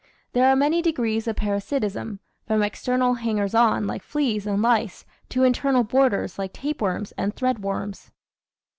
There are many degrees of parasitism, from external hangers on like fleas and lice to internal boarders like tapeworms and threadworms.